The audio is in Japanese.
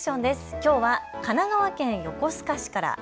きょうは神奈川県横須賀市から。